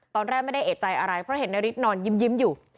ตอนแรกไม่ได้เอกใจอะไรเพราะเห็นนาริสนอนยิ้มอยู่